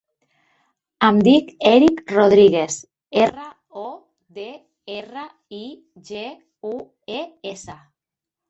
Em dic Erik Rodrigues: erra, o, de, erra, i, ge, u, e, essa.